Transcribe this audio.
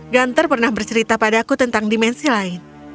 ganter pernah bercerita padaku tentang dimensi lain